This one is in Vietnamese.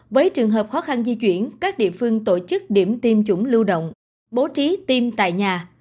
với trường hợp khó khăn di chuyển các địa phương tổ chức điểm tiêm chủng lưu động bố trí tiêm tại nhà